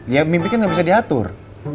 ya mimpi kan nggak bisa diatur